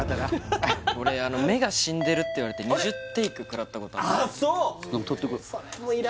俺目が死んでるって言われて２０テイクくらったことあってああ